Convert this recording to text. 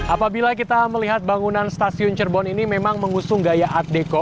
apabila kita melihat bangunan stasiun cerbon ini memang mengusung gaya art deco